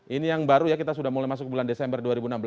ini yang baru ya kita sudah mulai masuk bulan desember dua ribu enam belas